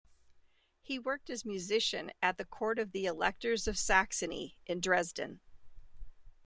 He worked as musician at the court of the Electors of Saxony in Dresden.